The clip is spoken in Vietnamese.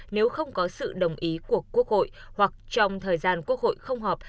nếu không có sự đồng ý của quốc hội hoặc trong thời gian quốc hội không họp